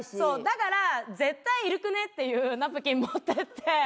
だから絶対いるくねぇっていうナプキン持ってって。